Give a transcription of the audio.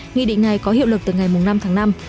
nghị định này có hiệu lực từ ngày năm tháng năm